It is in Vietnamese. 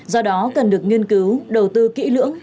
do đó cần được nghiên cứu đầu tư kỹ lưỡng